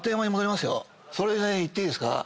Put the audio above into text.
それで言っていいですか？